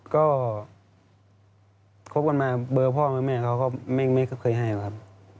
ก็ครบกันมาเบอร์พ่อแม่แม่ไม่เคยให้กันครับ